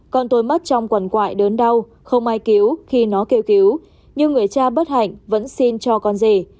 con tôi mất trong quần quại đớn đau không ai cứu khi nó kêu cứu nhưng người cha bất hạnh vẫn xin cho con dì